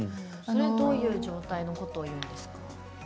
どういう状態のことをいうんですか？